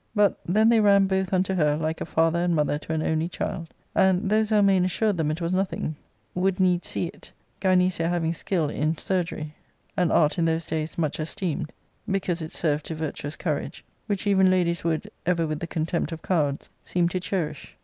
But, then they ran both unto her, like a father and mother to an only child, and, though Zelmane assured them it was nothing, would needs see it, Gynecia having skill in chirurgery, an art in those days much esteemed, because it served to virtuous courage, which even ladies would, ever with the contempt of cowards, seem to cherish.